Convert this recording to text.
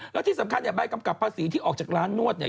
แล้วที่สำคัญเนี่ยใบกำกับภาษีที่ออกจากร้านนวดเนี่ย